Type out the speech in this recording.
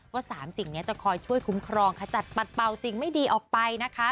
ว่า๓สิ่งนี้จะคอยช่วยคุ้มครองขจัดปัดเป่าสิ่งไม่ดีออกไปนะคะ